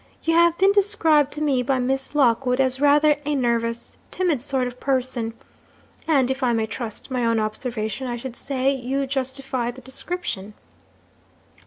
You have been described to me, by Miss Lockwood, as rather a nervous, timid sort of person and, if I may trust my own observation, I should say you justify the description.'